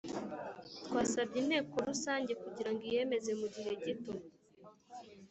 Twasabye inteko Rusange kugira ngo iyemeze mu gihe gito